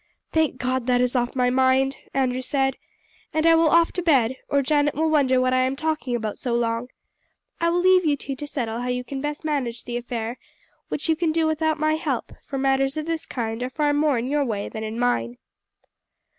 "Thank God that is off my mind!" Andrew said. "And I will off to bed, or Janet will wonder what I am talking about so long. I will leave you two to settle how you can best manage the affair, which you can do without my help, for matters of this kind are far more in your way than in mine."